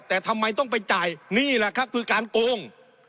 แต่ทำไมต้องไปจ่ายนี่แหละครับคือการโกง